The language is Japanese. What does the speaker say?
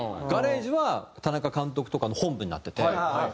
ガレージは田中監督とかの本部になってて。